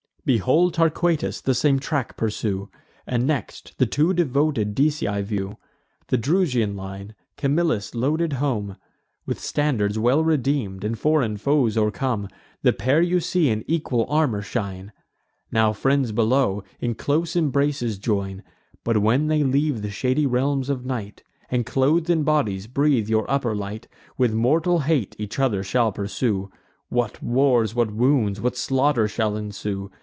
Behold Torquatus the same track pursue; And, next, the two devoted Decii view: The Drusian line, Camillus loaded home With standards well redeem'd, and foreign foes o'ercome The pair you see in equal armour shine, Now, friends below, in close embraces join; But, when they leave the shady realms of night, And, cloth'd in bodies, breathe your upper light, With mortal hate each other shall pursue: What wars, what wounds, what slaughter shall ensue!